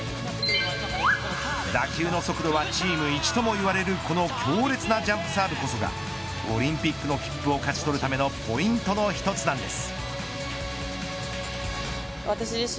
打球の速度はチーム１ともいわれるこの強烈なジャンプサーブこそがオリンピックのきっぷを勝ち取るためのポイントの１つなんです。